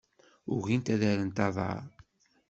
Ugint ad rrent aḍar.